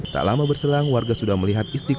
tak lama berselang warga sudah melihat istiqlal